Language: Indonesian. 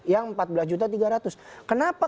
yang rp empat belas tiga ratus kenapa